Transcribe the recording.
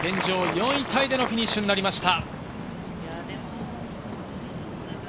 ４位タイでのフィニッシュになりました。